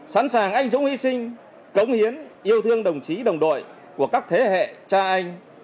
sẵn sàng anh dũng hy sinh cống hiến yêu thương đồng chí đồng đội của các thế hệ cha anh